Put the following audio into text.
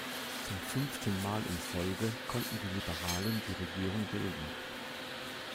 Zum fünften Mal in Folge konnten die Liberalen die Regierung bilden.